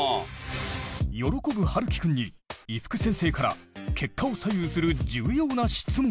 喜ぶはるきくんに伊福先生から結果を左右する重要な質問が。